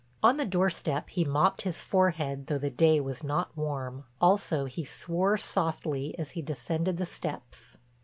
On the doorstep he mopped his forehead though the day was not warm, also he swore softly as he descended the steps.